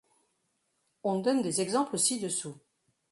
On donne des exemples ci-dessous.